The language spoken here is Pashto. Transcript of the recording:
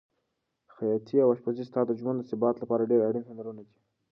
خیاطي او اشپزي ستا د ژوند د ثبات لپاره ډېر اړین هنرونه دي.